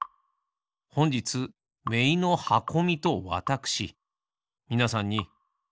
ほんじつめいのはこみとわたくしみなさんにこんにちは。